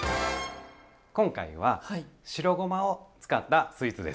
今回は白ごまを使ったスイーツです。